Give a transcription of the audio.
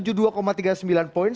ini benar benar demokrasi